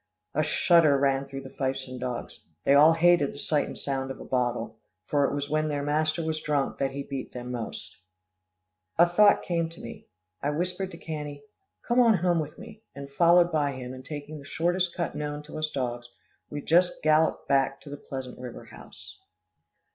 A shudder ran through the Fifeson dogs. They all hated the sight and sound of a bottle, for it was when their master was drunk that he beat them most. A thought came to me. I whispered to Cannie, "Come on home with me," and followed by him, and taking the shortest cut known to us dogs, we just galloped back to the Pleasant River house.